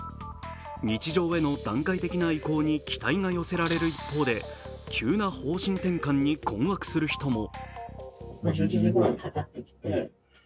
日常への段階的な移行に期待が寄せられる一方で急な方針転換に困惑する人も。